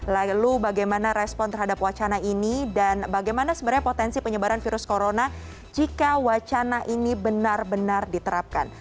lalu bagaimana respon terhadap wacana ini dan bagaimana sebenarnya potensi penyebaran virus corona jika wacana ini benar benar diterapkan